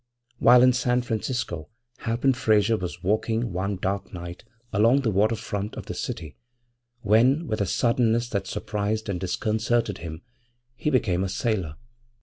< 7 > While in San Francisco Halpin Frayser was walking one dark night along the water front of the city, when, with a suddenness that surprised and disconcerted him, he became a sailor.